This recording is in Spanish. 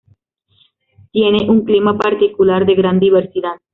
Tiene un clima particular de gran diversidad.